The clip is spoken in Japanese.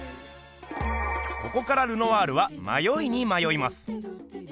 ここからルノワールはまよいにまよいます。